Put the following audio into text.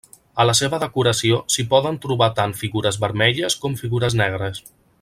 A la seva decoració s'hi poden trobar tant figures vermelles com figures negres.